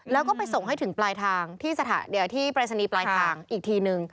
แล้วก็ไปส่งให้ถึงปลายทางที่ปรายศนีย์ปลายทางอีกทีนึง